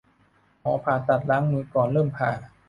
หมอผ่าตัดล้างมือก่อนเริ่มผ่า